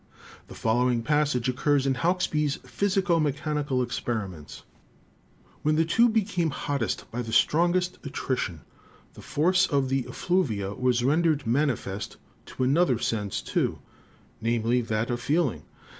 The following passage occurs in Hauks bee's Physico Mechanical Experiments: 'When the tube became hottest by the strongest Attrition, the Force of the Effluvia was rendered manifest to another Sense too, namely, that of feeling.